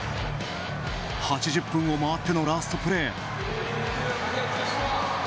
８０分を回ってのラストプレー。